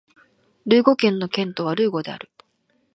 ルーゴ県の県都はルーゴである